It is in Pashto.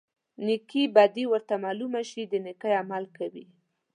نیکې بدي ورته معلومه شي د نیکۍ عمل کوي.